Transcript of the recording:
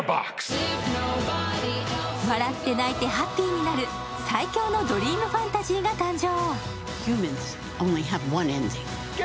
笑って泣いてハッピーになる最強のドリームファンタジーが誕生。